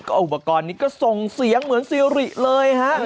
อุปกรณ์นี้ก็ส่งเสียงเหมือนซีริเลยฮะ